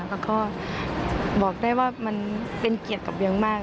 แล้วก็บอกได้ว่ามันเป็นเกียรติกับเวียงมาก